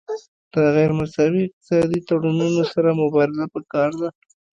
د غیر مساوي اقتصادي تړونونو سره مبارزه پکار ده